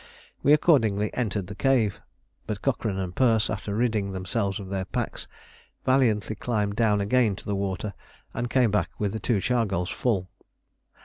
We accordingly entered the cave; but Cochrane and Perce, after ridding themselves of their packs, valiantly climbed down again to the water and came back with the two chargals full.